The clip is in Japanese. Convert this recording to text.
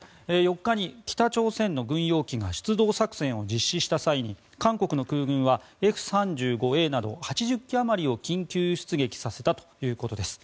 ４日に北朝鮮の軍用機が出動作戦を実施した際に韓国の空軍はＦ３５Ａなど８０機あまりを緊急出撃させたということです。